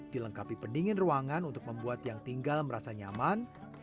dilengkapi pendingin ruangan untuk membuat yang tinggal merasa nyaman